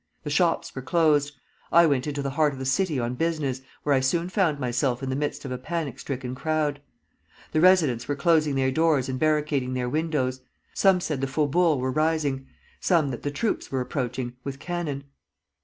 The shops were closed. I went into the heart of the city on business, where I soon found myself in the midst of a panic stricken crowd. The residents were closing their doors and barricading their windows. Some said the Faubourgs were rising; some that the troops were approaching, with cannon.